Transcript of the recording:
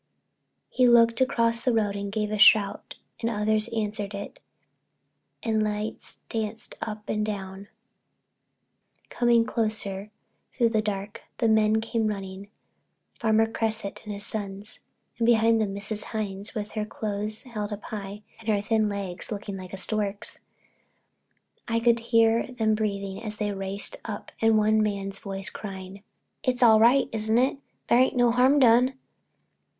He looked across the road and gave a shout and others answered it, and lights danced up and down, coming closer through the dark. Then men came running—Farmer Cresset and his sons—and behind them Mrs. Hines, with her clothes held up high and her thin legs like a stork's. I could hear them breathing as they raced up and one man's voice crying: "It's all right, is it? There ain't been no harm done?"